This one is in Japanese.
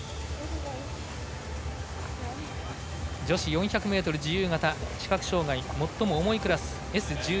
女子４００ｍ自由形視覚障がい最も重いクラスＳ１１